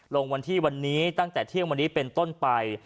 ลงวันที่วันนี้ตั้งแต่เที่ยงวันนี้เป็นต้นไป